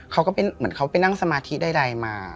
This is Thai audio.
ก็เป็นเหมือนเขาไปนั่งสมาธิใดมา